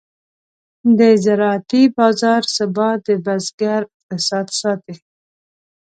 د زراعتي بازار ثبات د بزګر اقتصاد ساتي.